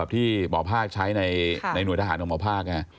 ที่หมอภาคใช้ในหน่วยทหารของหมอภาค